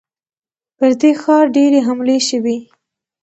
پر دې ښار ډېرې حملې شوي.